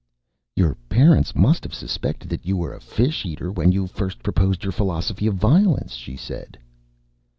"Your parents must have suspected that you were a fish eater when you first proposed your Philosophy of Violence?" she said.